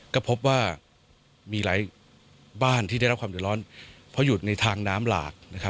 ก็พบว่ามีหลายบ้านที่ได้รับความเดือดร้อนเพราะอยู่ในทางน้ำหลาก